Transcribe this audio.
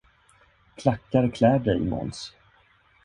Klackar klär dig, Måns!